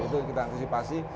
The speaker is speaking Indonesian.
itu kita antisipasi